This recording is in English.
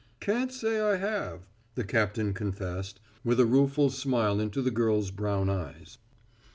"Can't say I have," the captain confessed, with a rueful smile into the girl's brown eyes.